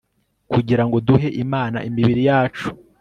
Kugira ngo duhe Imana imibiri yacu